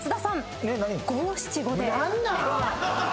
何なん！？